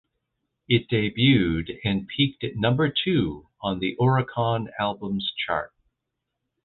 It debuted and peaked at number two on the Oricon Albums Chart.